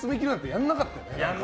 やらなかったね。